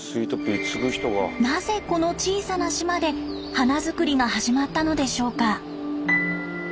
なぜこの小さな島で花作りが始まったのでしょうか。